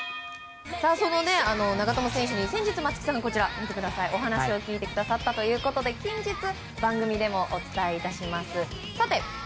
その長友選手に先日松木さんがお話を聞いてくださったということで近日、番組でもお伝えいたします。